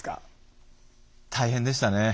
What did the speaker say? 大変でしたね。